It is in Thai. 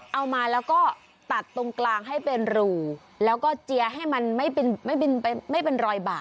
เอามาแล้วก็ตัดตรงกลางให้เป็นรูแล้วก็เจียร์ให้มันไม่เป็นรอยบาก